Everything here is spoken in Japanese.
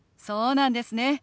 そうなんですね。